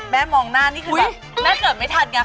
แม่มองหน้านี่คือแบบแม่เกิดไม่ทันกลาย